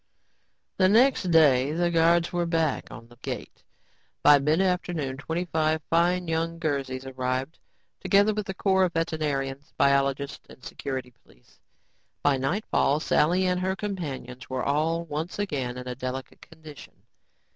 The next day the guards were back on the gate. By midafternoon twelve fine young Guernseys arrived, together with a corps of veterinarians, biologists and security police. By nightfall, Sally and her companions were all once again in a "delicate condition."